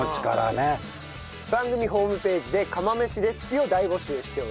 番組ホームページで釜飯レシピを大募集しております。